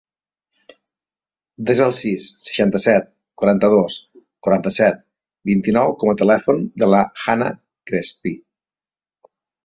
Desa el sis, seixanta-set, quaranta-dos, quaranta-set, vint-i-nou com a telèfon de la Hannah Crespi.